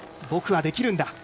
僕はできるんだ